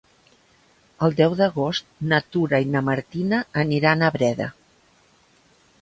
El deu d'agost na Tura i na Martina aniran a Breda.